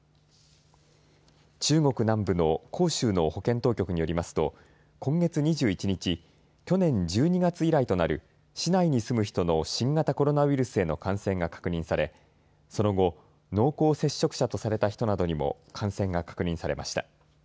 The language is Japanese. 中国南部の広州の保健当局によりますと今月２１日、去年１２月以来となる市内に住む人の新型コロナウイルスへの感染が確認されその後、濃厚接触者とされた人などにも感染が確認されました。